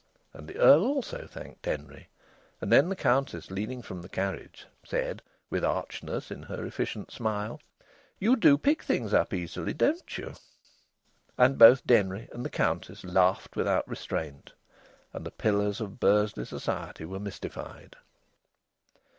And the Earl also thanked Denry. And then the Countess, leaning from the carriage, said, with archness in her efficient smile: "You do pick things up easily, don't you?" And both Denry and the Countess laughed without restraint, and the pillars of Bursley society were mystified.